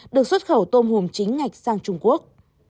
được xuất khẩu tôm hùm chính ngạch sang trung quốc